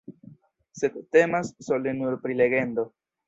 Sed temas sole nur pri legendo.